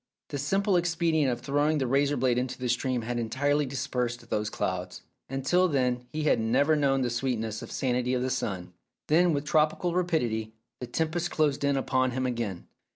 The simple expedient of throwing the razor blade into the stream had entirely dispersed those clouds, and till then he had never known the sweetness and sanity of the sun. Then, with tropical rapidity, the tempest closed in upon him again.